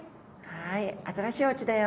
はい新しいおうちだよ。